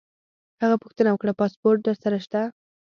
هغه پوښتنه وکړه: پاسپورټ در سره شته؟